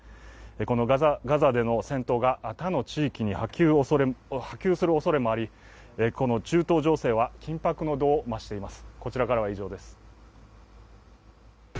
このガザでの戦闘が他の地域に波及するおそれもあり、中東情勢は緊迫の度を増しています。